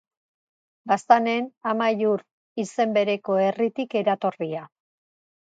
Baztanen Amaiur, izen bereko herritik eratorria.